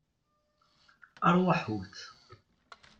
Arwaḥut!